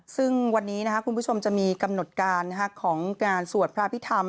ซึ่งวันนี้คุณผู้ชมจะมีกำหนดการของงานสวดพระพิธรรม